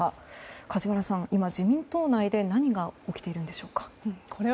梶原さん、今自民党内で何が起きているのでしょうか。